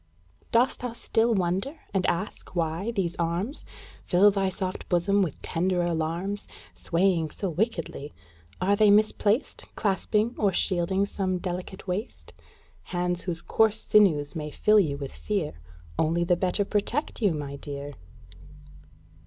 Dost thou still wonder, and ask why these arms Fill thy soft bosom with tender alarms, Swaying so wickedly? Are they misplaced Clasping or shielding some delicate waist? Hands whose coarse sinews may fill you with fear Only the better protect you, my dear!